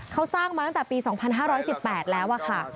เขาสร้างมาตั้งแต่ปี๒๕๑๘แล้วค่ะ